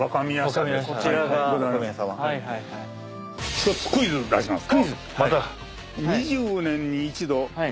ひとつクイズ出します。